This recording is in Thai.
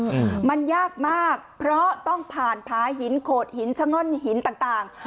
อืมมันยากมากเพราะต้องผ่านผาหินโขดหินชะง่อนหินต่างต่าง